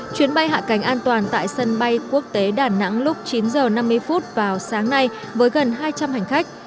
chuyến bay hạ cánh an toàn tại sân bay quốc tế đà nẵng lúc chín h năm mươi vào sáng nay với gần hai trăm linh hành khách